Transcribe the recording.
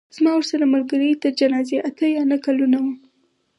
زما ورسره ملګرۍ تر جنازې اته یا نهه کلونه وه.